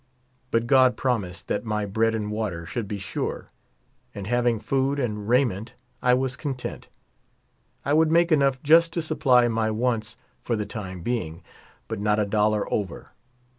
But God promised that my bread and water should be sure ; and having food and raiment I was content. I would make enough just to supply my wants for the time being, but not a dollar over.